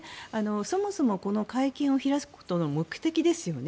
そもそもこの会見を開くことの目的ですよね。